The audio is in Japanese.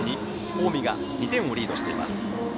近江が２点をリードしています。